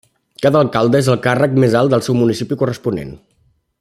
Cada alcalde és el càrrec més alt del seu municipi corresponent.